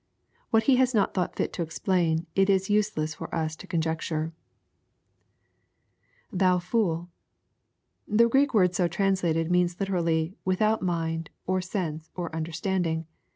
What He has no* thought fit to explain, it is useless for us to conjecture, [Thou foo'L'l The Greek word so translated means literally, without mind, or sense, or understanding.